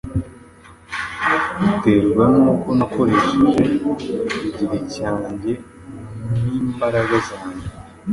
uterwa n’uko nakoresheje igihe cyanjye n’imbaraga zanjye